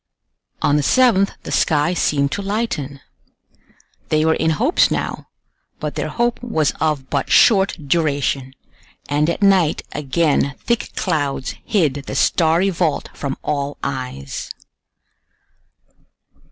On the 7th the sky seemed to lighten. They were in hopes now, but their hope was of but short duration, and at night again thick clouds hid the starry vault from all eyes.